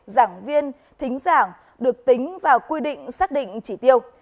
giảng viên thính giảng được tính vào quy định xác định chỉ tiêu